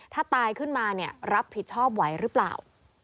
ถ้าตายขึ้นมารับผิดชอบไหวหรือเปล่า